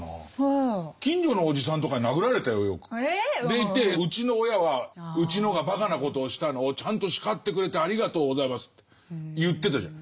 ⁉でいてうちの親は「うちのがばかなことをしたのをちゃんと叱ってくれてありがとうございます」って言ってたじゃん。